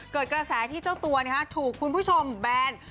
เกิดกระแสที่เจ้าตัวถูกคุณผู้ชมแบน